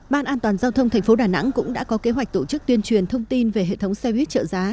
ban an toàn giao thông tp đà nẵng cũng đã có kế hoạch tổ chức tuyên truyền thông tin về hệ thống xe buýt trợ giá